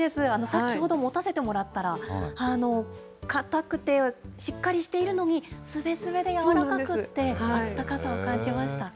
先ほど持たせてもらったら、硬くてしっかりしているのに、すべすべで軟らかくって、あったかさを感じました。